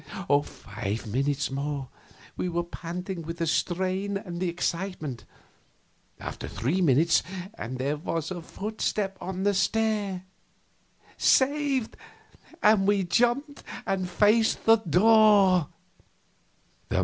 Five minutes more. We were panting with the strain and the excitement. Another three minutes, and there was a footstep on the stair. "Saved!" And we jumped up and faced the door.